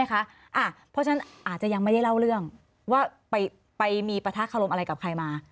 เพราะฉะนั้นอาจจะยังไม่ได้เล่าเรื่องว่าไปมีปะทะคารมอะไรกับใครมา